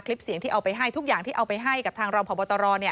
คลิปเสียงที่เอาไปให้ทุกอย่างที่เอาไปให้กับทางรองพบตร